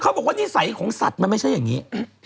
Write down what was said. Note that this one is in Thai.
เขาบอกว่านิสัยของสัตว์มันไม่ใช่อย่างนี้